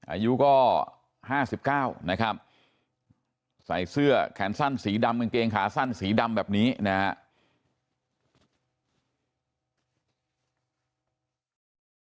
อายุก็๕๙นะครับใส่เสื้อแขนสั้นสีดำกางเกงขาสั้นสีดำแบบนี้นะครับ